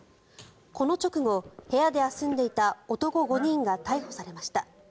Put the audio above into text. この直後、部屋で休んでいた男５人が逮捕されました。